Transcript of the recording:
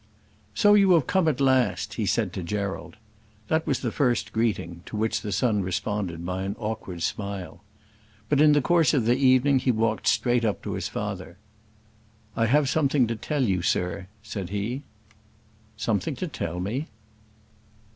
"So you have come at last," he said to Gerald. That was the first greeting, to which the son responded by an awkward smile. But in the course of the evening he walked straight up to his father "I have something to tell you, sir," said he. "Something to tell me?"